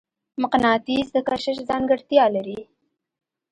مقناطیس د کشش ځانګړتیا لري.